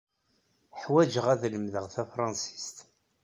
Ḥwajeɣ ad lemdeɣ tafṛensist.